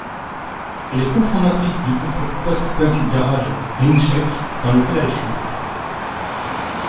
Elle est cofondatrice du groupe post punk garage Glintshake dans lequel elle chante.